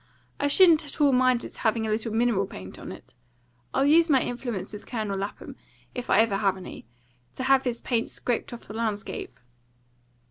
"I shouldn't at all mind its having a little mineral paint on it. I'll use my influence with Colonel Lapham if I ever have any to have his paint scraped off the landscape."